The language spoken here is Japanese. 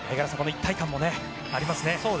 一体感もありますね。